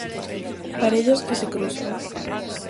Parellas que se cruzan.